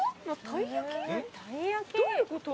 たい焼き。